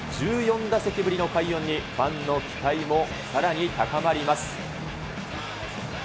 １４打席ぶりの快音に、ファンの期待もさらに高まります。